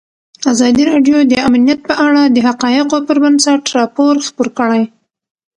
ازادي راډیو د امنیت په اړه د حقایقو پر بنسټ راپور خپور کړی.